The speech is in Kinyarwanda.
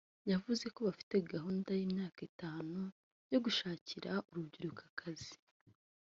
yavuze ko bafite gahunda y’imyaka itanu yo gushakira urubyiruko akazi